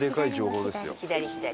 左左。